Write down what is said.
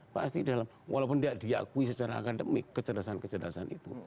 pasti dalam walaupun tidak diakui secara akademik kecerdasan kecerdasan itu